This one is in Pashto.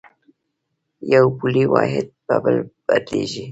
یو پولي واحد په بل بدلېږي.